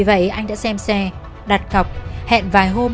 vì vậy anh đã xem xe đặt cọc hẹn vài hôm